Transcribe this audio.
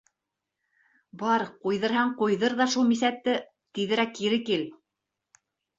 Бар, ҡуйҙырһаң ҡуйҙыр ҙа шул мисәтте, тиҙерәк кире кил.